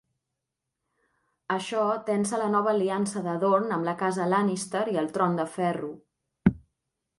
Això tensa la nova aliança de Dorne amb la casa Lannister i el Tron de Ferro.